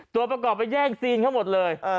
ตัวประกอบไปแย่งซีนเขาหมดเลย